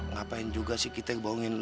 ngapain juga sih kita yang bohongin